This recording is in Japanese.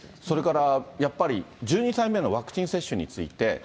それからやっぱり１２歳以降のワクチン接種について。